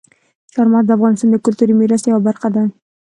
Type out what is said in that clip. چار مغز د افغانستان د کلتوري میراث یوه برخه ده.